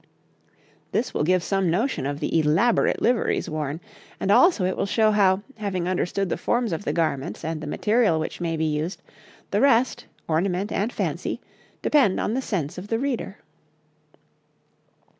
This will give some notion of the elaborate liveries worn, and also it will show how, having understood the forms of the garments and the material which may be used, the rest, ornament and fancy, depend on the sense of the reader.